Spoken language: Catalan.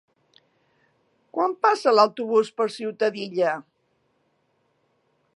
Quan passa l'autobús per Ciutadilla?